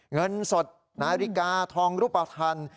เงินสดนาฬิกาทองรูปภัณฑ์